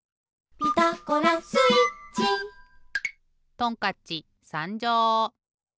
トンカッチさんじょう！